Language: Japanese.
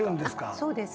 そうです。